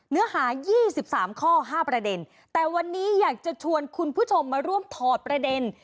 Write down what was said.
เนื้อหาย๒๓ข้อ๕ประเด็นแต่วันนี้อยากจะชวนคุณผู้ชมมาร่วมถอดประเด็น